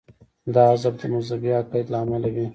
دا حذف د مذهبي عقایدو له امله وي.